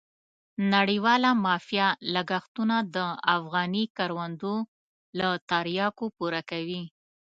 نړیواله مافیا لګښتونه د افغاني کروندو له تریاکو پوره کوي.